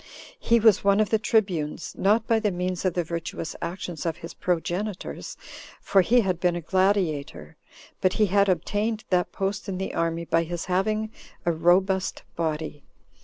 He was one of the tribunes, not by the means of the virtuous actions of his progenitors, for he had been a gladiator, but he had obtained that post in the army by his having a robust body.